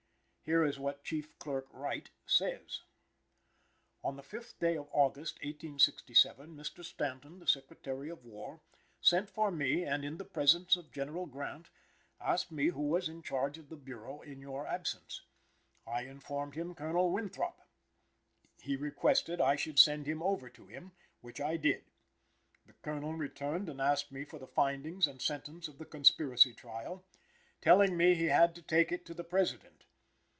Here is what Chief Clerk Wright says: "On the 5th day of August, 1867, Mr. Stanton, the Secretary of War, sent for me, and in the presence of General Grant asked me who was in charge of the Bureau in your absence. I informed him Colonel Winthrop. He requested I should send him over to him, which I did. The Colonel returned and asked me for the findings and sentence of the conspiracy trial, telling me he had to take it to the President.